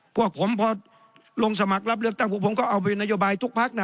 พวกผมพอลงสมัครรับเลือกตั้งพวกผมก็เอาเป็นนโยบายทุกพักนะ